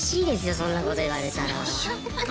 そんなこと言われたら。